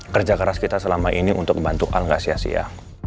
kerja keras kita selama ini untuk membantu al ngasiasi ya